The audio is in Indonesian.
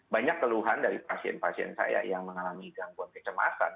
banyak keluhan dari pasien pasien saya yang mengalami gangguan kecemasan